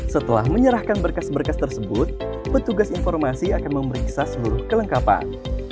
setelah menyerahkan berkas berkas tersebut petugas informasi akan memeriksa seluruh kelengkapan